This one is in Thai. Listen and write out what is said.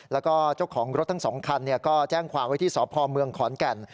แล้วก็เจ้าของรถทั้ง๒คันก็แจ้งความไว้ที่สพเมืองขอนแก่น